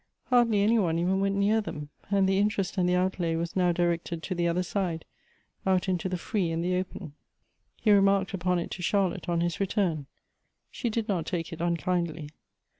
Hardly any one even went near them, and the interest and the outlay was now directed to the other side, out into the free and the open. He remarked upon it to Charlotte on his return ; she did not take it unkindly.